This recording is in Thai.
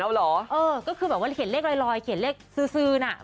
เออก็คือเห็นเลขลอยเขียนเลขซื้อไม่ได้ทำให้มีอะไร